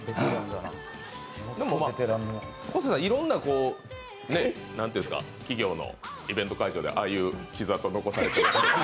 でも、昴生さん、いろんな企業のイベント会場でああいう傷痕残されてますよね。